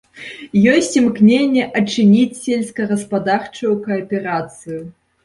Ёсць імкненне адчыніць сельскагаспадарчую кааперацыю.